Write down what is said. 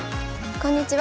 こんにちは。